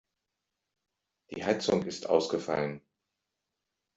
Die Heizung ist ausgefallen.